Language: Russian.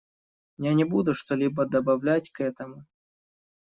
Я не буду что-либо добавлять к этому.